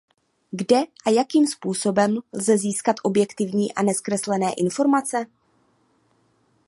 Kde a jakým způsobem lze získat objektivní a nezkreslené informace?